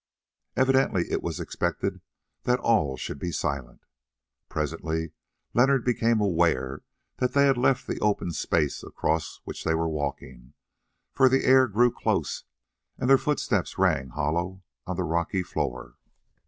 Evidently it was expected that all should be silent. Presently Leonard became aware that they had left the open space across which they were walking, for the air grew close and their footsteps rang hollow on the rocky floor.